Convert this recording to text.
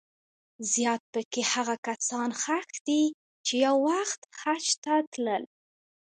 زیات په کې هغه کسان ښخ دي چې یو وخت حج ته تلل.